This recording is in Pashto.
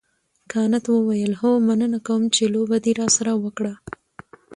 کانت وویل هو مننه کوم چې لوبه دې راسره وکړه.